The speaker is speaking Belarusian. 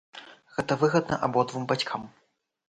Гэта выгадна абодвум бацькам.